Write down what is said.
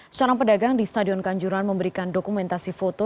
seorang pedagang di stadion kanjuruhan memberikan dokumentasi foto